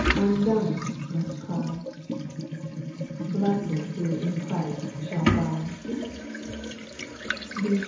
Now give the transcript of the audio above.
Undone, must cry 1 Blessed who in Christ shall die I B.